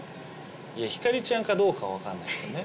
いやひかりちゃんかどうかは分かんないけどね